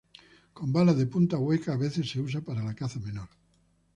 Con balas de punta hueca a veces se usa para la caza menor.